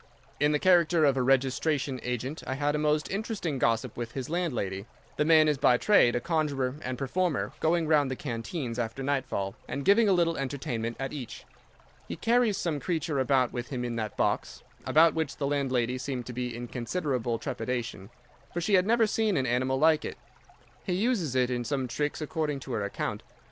In the character of a registration agent I had a most interesting gossip with his landlady. The man is by trade a conjurer and performer, going round the canteens after nightfall, and giving a little entertainment at each. He carries some creature about with him in that box; about which the landlady seemed to be in considerable trepidation, for she had never seen an animal like it. He uses it in some of his tricks according to her account.